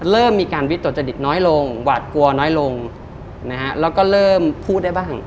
เริ่มมีการวิตกจริตน้อยลงหวาดกลัวน้อยลงนะฮะแล้วก็เริ่มพูดได้บ้าง